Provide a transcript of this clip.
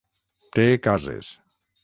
Té cases.